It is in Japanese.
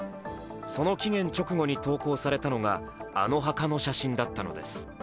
その期限直後に投稿されたのがあの墓の写真だったのです。